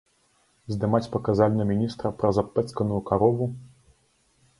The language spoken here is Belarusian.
Здымаць паказальна міністра праз абпэцканую карову?!